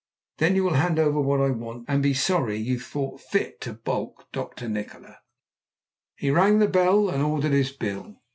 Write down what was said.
Then you will hand over what I want, and be sorry you thought fit to baulk Dr. Nikola!" He rang the bell and ordered his bill.